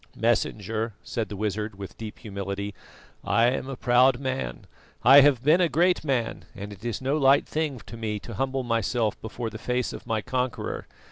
"Messenger," said the wizard, with deep humility, "I am a proud man; I have been a great man, and it is no light thing to me to humble myself before the face of my conqueror.